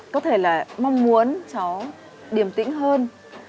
có thể là mong muốn cháu điềm tĩnh hơn